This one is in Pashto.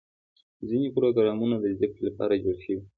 ځینې پروګرامونه د زدهکړې لپاره جوړ شوي.